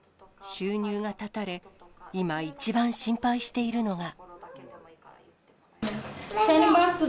収入が断たれ、今、一番心配しているのが。